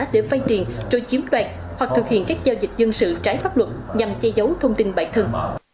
để phai tiền rồi chiếm đoạt hoặc thực hiện các giao dịch dân sự trái pháp luật nhằm che giấu thông tin bản thân